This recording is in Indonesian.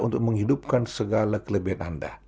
untuk menghidupkan segala kelebihan anda